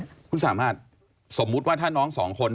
คุณสามารถสมมุติว่าถ้าน้องสองคน